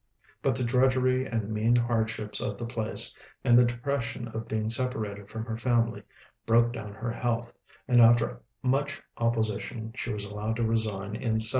But the drudgery and mean hardships of the place, and the depression of being separated from her family, broke down her health; and after much opposition she was allowed to resign in 1791.